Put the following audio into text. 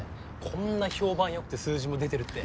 こんな評判良くて数字も出てるって。